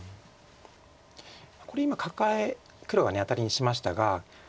これ今カカエ黒がアタリにしましたが。